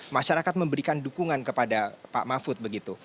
masyarakat memberikan dukungan kepada pak mahfud begitu